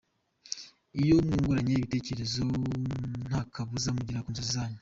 Iyo mwunguranye ibitekerezo, ntakabuza mugera ku nzozi zanyu.